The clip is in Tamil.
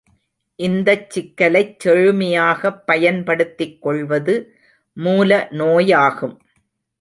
இந்தச் சிக்கலைச் செழுமையாகப் பயன்படுத்திக் கொள்வது மூல நோயாகும்.